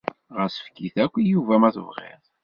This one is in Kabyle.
Ɣas efk-it akk i Yuba ma tebɣiḍ.